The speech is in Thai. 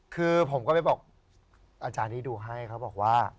คือผมก็ไปบอกอาจารย์ที่ดูให้เขาบอกว่า